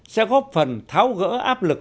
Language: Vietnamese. sẽ góp phần tháo gỡ áp lực